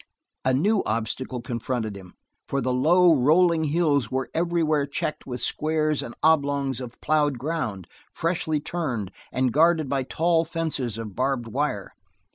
A new obstacle confronted him, for the low, rolling hills were everywhere checkered with squares and oblongs of plowed ground, freshly turned, and guarded by tall fences of barbed wire.